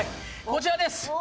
こちらです！